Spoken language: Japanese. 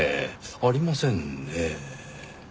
ありませんねぇ。